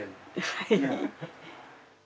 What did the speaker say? はい。